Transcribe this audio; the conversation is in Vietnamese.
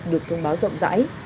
được thông báo rộng rãi